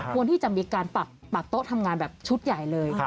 ควรที่จะมีการปรับโต๊ะทำงานแบบชุดใหญ่เลย